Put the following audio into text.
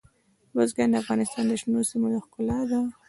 بزګان د افغانستان د شنو سیمو یوه ښکلا ده.